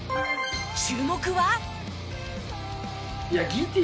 注目は？